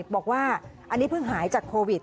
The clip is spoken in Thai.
บอกว่าอันนี้เพิ่งหายจากโควิด